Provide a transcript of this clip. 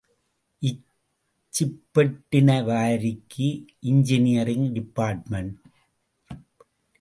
இச்சிப் பெட்டின வாரிக்கு engineering department.